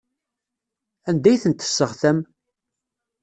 Anda ay tent-tesseɣtam?